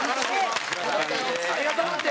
「ありがとう！」って。